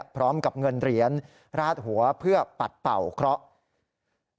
พร้อมกับเงินเหรียญราดหัวเพื่อปัดเป่าเคราะห์